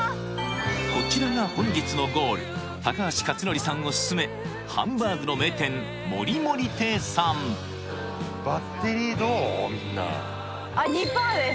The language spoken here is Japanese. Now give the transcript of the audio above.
こちらが本日のゴール高橋克典さんおすすめハンバーグの名店盛盛亭さんあっ２パーです